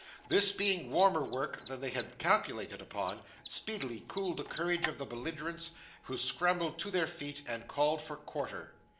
This being warmer work than they had calculated upon, speedily cooled the courage of the belligerents, who scrambled to their feet and called for quarter.